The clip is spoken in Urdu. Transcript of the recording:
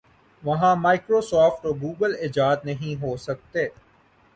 وہاں مائیکرو سافٹ اور گوگل ایجاد نہیں ہو سکتے۔